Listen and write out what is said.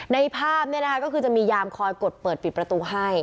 ในภาพก็คือจะมียามคอยกดเปิดปิดประตูให้